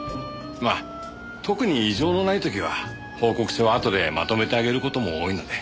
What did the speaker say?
まあ特に異状のない時は報告書はあとでまとめて上げる事も多いので。